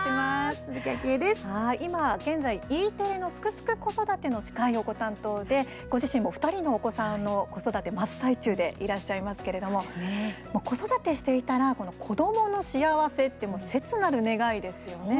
今、現在、Ｅテレの「すくすく子育て」の司会をご担当でご自身も２人のお子さんの子育て真っ最中でいらっしゃいますけれども子育てしていたら子どもの幸せって切なる願いですよね。